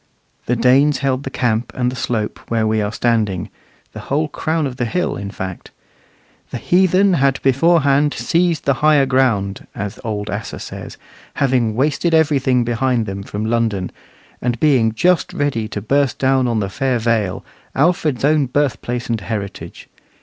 The Danes held the camp and the slope where we are standing the whole crown of the hill, in fact. "The heathen had beforehand seized the higher ground," as old Asser says, having wasted everything behind them from London, and being just ready to burst down on the fair Vale, Alfred's own birthplace and heritage.